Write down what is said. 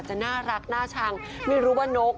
จะน่ารักน่าชังไม่รู้ว่านก